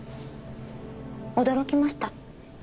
驚きました。